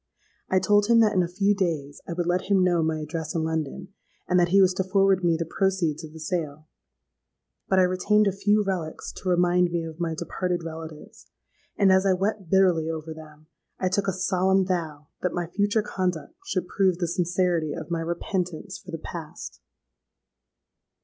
I told him that in a few days I would let him know my address in London; and that he was to forward me the proceeds of the sale. But I retained a few relics to remind me of my departed relatives; and as I wept bitterly over them, I took a solemn vow that my future conduct should prove the sincerity of my repentance for the past!